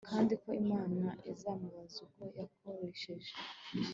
kandi ko Imana izamubaza uko yakoresheje